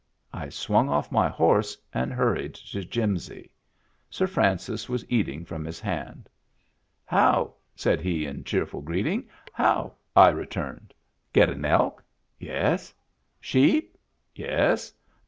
I swung off my horse and hurried to Jimsy. Sir Francis was eating from his hand. " How!" said he in cheerful greeting. " How !" I returned. "Get an elk?" " Yes." "Sheep?" " Yes."